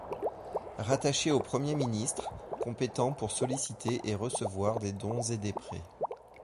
Rattaché au Premier ministre, compétent pour solliciter et recevoir des dons et des prêts.